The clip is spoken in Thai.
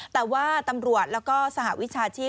แต่ว่าตำรวจแล้วก็สหวิชาชีพ